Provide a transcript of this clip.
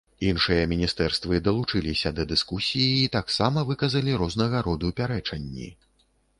Іншыя міністэрствы далучыліся да дыскусіі і таксама выказалі рознага роду пярэчанні.